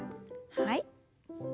はい。